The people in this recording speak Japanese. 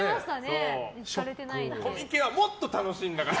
コミケはもっと楽しいんだから！